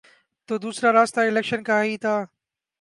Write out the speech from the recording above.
تو دوسرا راستہ الیکشن کا ہی تھا۔